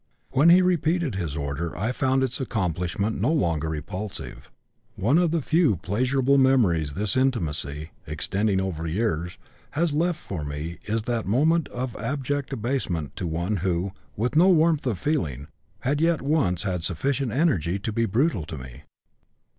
When he repeated his order I found its accomplishment no longer repulsive. One of the few pleasurable memories this intimacy, extending over years, has left for me is that moment of abject abasement to one who, with no warmth of feeling, had yet once had sufficient energy to be brutal to me.